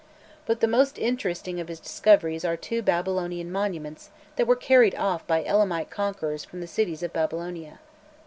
But the most interesting of his discoveries are two Babylonian monuments that were carried off by Elamite conquerors from the cities of Babylonia.